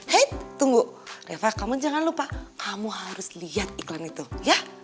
hei tunggu reva kamu jangan lupa kamu harus lihat iklan itu ya